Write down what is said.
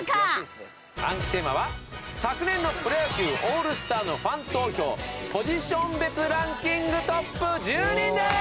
暗記テーマは昨年のプロ野球オールスターのファン投票ポジション別ランキングトップ１０人です！